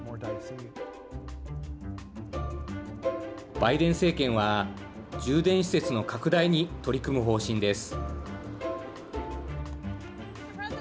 バイデン政権は充電施設の拡大に取り組む方針です。